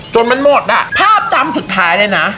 จนมันหมดอ่ะภาพจำสุดท้ายเลยนะ